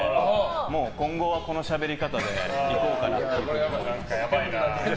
もう、今後はこのしゃべり方でいこうかなって思っています。